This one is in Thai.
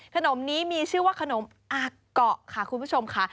ขนมนี้มีชื่อว่าขนมอาเกาะค่ะคุณผู้ชมค่ะ